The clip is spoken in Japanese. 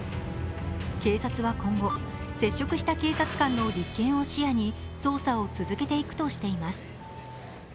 警察は今後、接触した警察官の立件を視野に捜査を続けていくとしています。